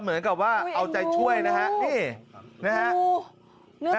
เหมือนกับว่าเอาใจช่วยนะฮะนี่นะฮะ